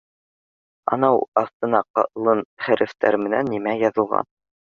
— Анау аҫтына ҡалын хәрефтәр менән нимә яҙылған